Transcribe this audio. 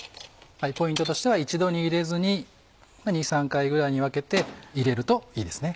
ポイントとしては一度に入れずに２３回ぐらいに分けて入れるといいですね。